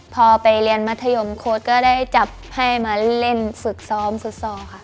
พอไปเรียนมัธยมโค้ดก็ได้จับให้มาเล่นฝึกซ้อมฟุตซอลค่ะ